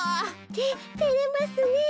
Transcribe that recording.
ててれますねえ。